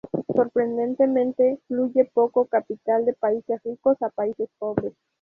Sorprendentemente, fluye poco capital de países ricos a países pobres.